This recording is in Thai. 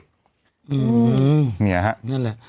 อืมนี่แหละ